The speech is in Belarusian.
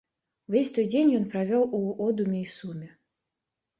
Увесь той дзень ён правёў у одуме і суме.